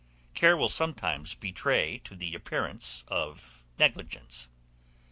Care will sometimes betray to the appearance of negligence.